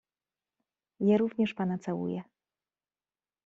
"Ja również pana całuję..."